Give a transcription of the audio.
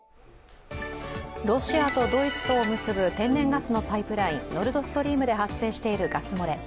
ロシアとドイツとを結ぶ天然ガスのパイプラインノルドストリームで発生しているガス漏れ。